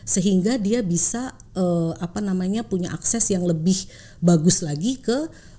sehingga dia bisa punya akses yang lebih bagus lagi ke